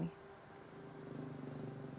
bagaimana perkembangan di polda metro jaya hari ini